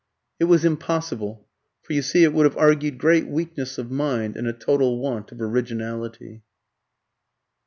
It was impossible; for, you see, it would have argued great weakness of mind and a total want of originality.